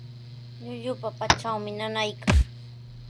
Llullupa patranmi nanaykan.